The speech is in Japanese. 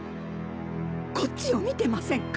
こっちを見てませんか？